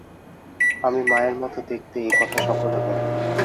আমি মায়ের মতো দেখতে এই কথা সকলে বলে।